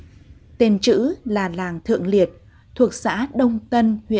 thuộc xã đông tân huyện đông hưng tên chữ là làng thượng liệt thuộc xã đông tân huyện đông hưng